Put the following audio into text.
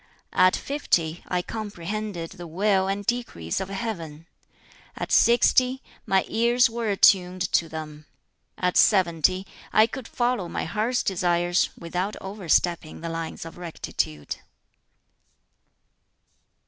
At fifty, I comprehended the will and decrees of Heaven. At sixty, my ears were attuned to them. At seventy, I could follow my heart's desires, without overstepping the lines of rectitude."